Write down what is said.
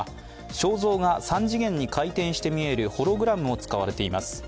肖像が三次元に回転して見えるホログラムも使われています。